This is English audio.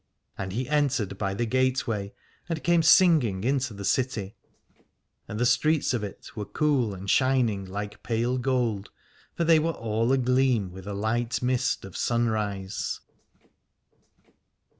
And he entered by the gateway and came singing into the city ; and the streets of it were cool and shining like pale gold, for they were all agleam with a light mist of sunrise.